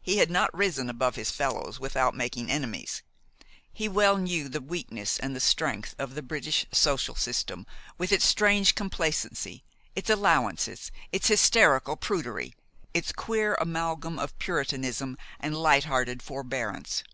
He had not risen above his fellows without making enemies. He well knew the weakness and the strength of the British social system, with its strange complacency, its "allowances," its hysterical prudery, its queer amalgam of Puritanism and light hearted forbearance.